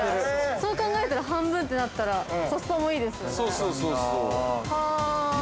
そう考えたら、半分ってなったら、コスパもいいですよね。